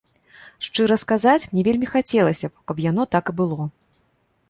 Шчыра сказаць, мне вельмі хацелася б, каб яно так і было.